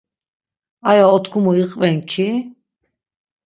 Aya otkumu iqven ki...